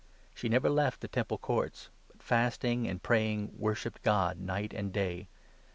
She never left the Temple Courts, but, fasting and praying, worshipped God night and day.